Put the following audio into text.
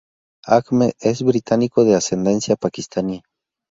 Ahmed es británico de ascendencia pakistaní.